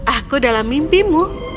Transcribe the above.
aku dalam mimpimu